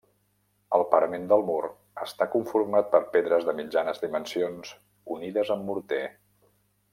El parament del mur està conformat per pedres de mitjanes dimensions unides amb morter.